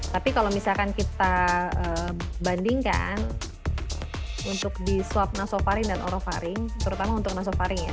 tapi kalau misalkan kita bandingkan untuk di swab nasofaring dan orofaring terutama untuk nasofaring ya